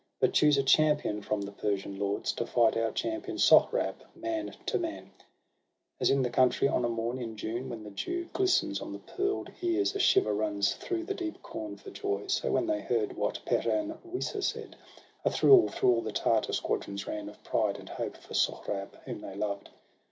But choose a champion from the Persian lords To fight our champion Sohrab, man to man.' As, in the country, on a morn in June, When the dew glistens on the pearled ears, A shiver runs through the deep corn for joy — So, when they heard what Peran Wisa said, 90 SOHRAB AND RVSTUM, A thrill through all the Tartar squadrons ran Of pride and hope for Sohrab, whom they loved.